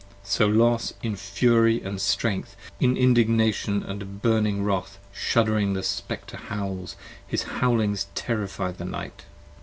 So Los, in fury & strength: in indignation & burning wrath Shudd'ring the Spectre howls, his howlings terrify the night.